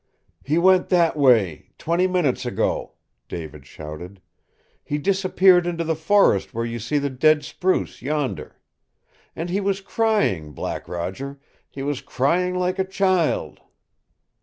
"He went that way twenty minutes ago," David shouted. "He disappeared into the forest where you see the dead spruce yonder. And he was crying, Black Roger he was crying like a child."